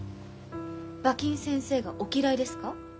馬琴先生がお嫌いですか？